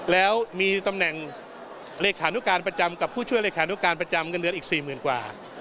แล้วมีตำแหน่งเลขานุการประจำกับผู้ช่วยเลขานุการประจำเงินเดือนอีก๔๐๐๐กว่า